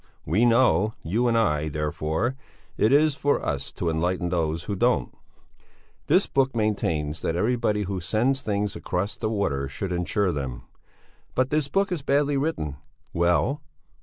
We know, you and I; therefore it is for us to enlighten those who don't. This book maintains that everybody who sends things across the water should insure them. But this book is badly written. Well!